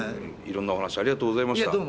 いろんなお話ありがとうございました。